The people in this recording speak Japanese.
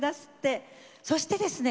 そしてですね